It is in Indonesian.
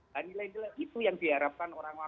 dan nilai nilai itu yang diharapkan orang orang